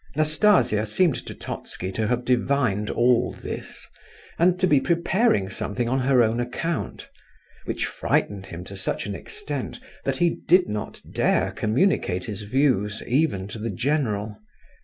Nastasia seemed to Totski to have divined all this, and to be preparing something on her own account, which frightened him to such an extent that he did not dare communicate his views even to the general.